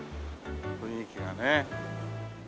雰囲気がね。